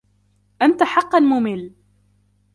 أنت حقا ممل.